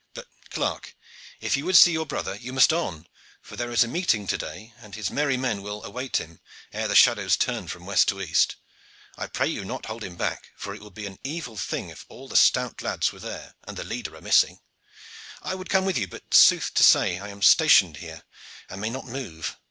But, clerk, if you would see your brother you must on, for there is a meeting to day, and his merry men will await him ere the shadows turn from west to east. I pray you not to hold him back, for it would be an evil thing if all the stout lads were there and the leader a missing. I would come with you, but sooth to say I am stationed here and may not move.